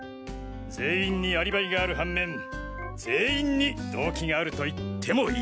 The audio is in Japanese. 全員にアリバイがある反面全員に動機があると言ってもいい。